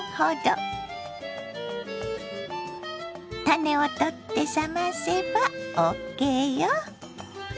種を取って冷ませばＯＫよ。